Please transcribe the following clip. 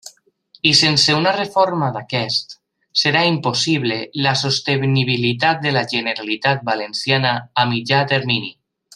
I sense una reforma d'aquest, serà impossible la sostenibilitat de la Generalitat Valenciana a mitjà termini.